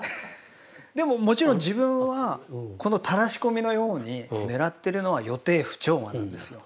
でももちろん自分はこのたらし込みのようにねらってるのは予定不調和なんですよ。